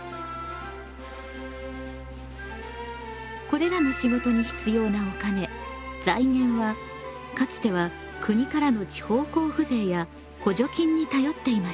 これらの仕事に必要なお金財源はかつては国からの地方交付税や補助金に頼っていました。